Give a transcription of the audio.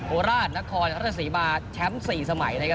โอราชน์นครสีบาลแชมป์๔สมัยนะครับ